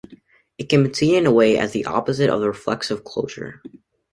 It can be seen in a way as the opposite of the reflexive closure.